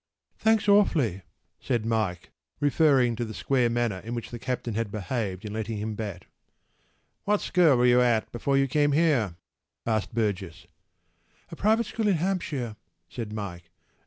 p> “Thanks awfully,” said Mike, referring to the square manner in which the captain had behaved in letting him bat. “What school were you at before you came here?” asked Burgess. “A private school in Hampshire,” said Mike.